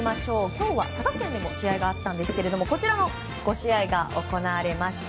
今日は佐賀県でも試合があったんですがこちらの５試合が行われました。